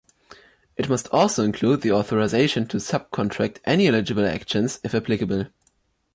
It must also include the authorization to subcontract any eligible actions, if applicable.